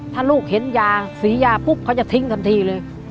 ถ้าลูกเห็นยาสียาปุ๊บเขาจะทิ้งทันทีเลย